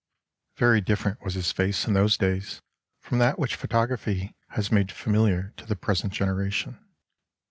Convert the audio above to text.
] "Very different was his face in those days from that which photography has made familiar to the present generation.